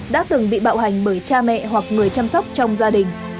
đã từng bị bạo hành bởi cha mẹ hoặc người chăm sóc trong gia đình